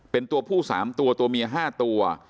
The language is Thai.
เป็นตัวผู้๓ตัวตัวเมีย๕ตัว